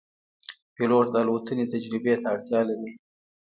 پیلوټ د الوتنې تجربې ته اړتیا لري.